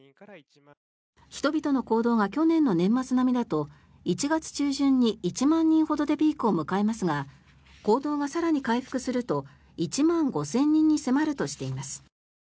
人々の行動が去年の年末並みだと１月中旬に１万人ほどでピークを迎えますが行動が更に回復すると１万５０００人に迫るとしています。